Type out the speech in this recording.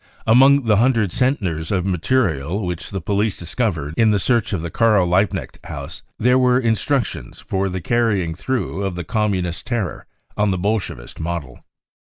Among the hundred centners of material which the police discovered in the search of the Karl Liebknecht house, there were instructions for the carrying through of the Communist terror on the Bolshevist model.